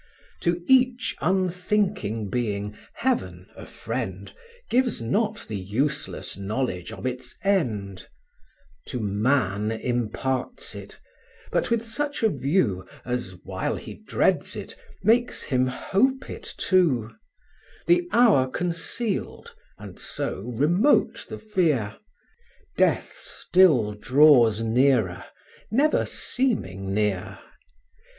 To each unthinking being, Heaven, a friend, Gives not the useless knowledge of its end: To man imparts it; but with such a view As, while he dreads it, makes him hope it too; The hour concealed, and so remote the fear, Death still draws nearer, never seeming near.